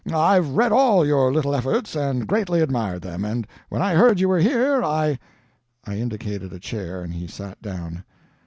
I've read all your little efforts and greatly admired them, and when I heard you were here, I ..." I indicated a chair, and he sat down.